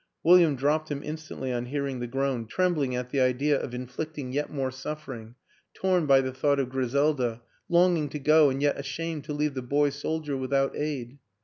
William dropped him instantly on hearing the groan, trembling at WILLIAM AN ENGLISHMAN 131 the idea of inflicting yet more suffering, torn by the thought of Griselda, longing to go and yet ashamed to leave the boy soldier without aid.